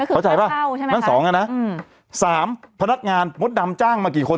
เข้าใจปะนั่นสองอะน่ะอืมสามพนักงานมดดำจ้างมากี่คน